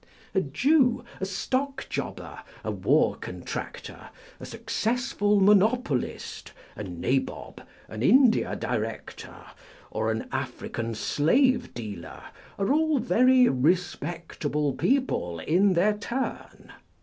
A jew, a stock jobber, a war contractor, a successful monopolist, a Nabob, an India Director, or an African slave dealer, are all very respect able people in their turn.